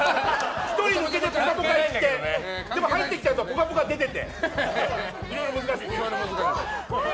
１人抜けて「ぽかぽか」に行ってでも入ってきたやつは「ぽかぽか」に出てて。